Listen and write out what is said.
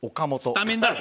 スタメンだろ！